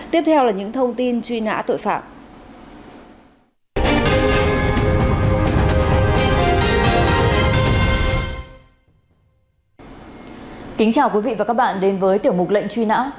tiếp theo là những thông tin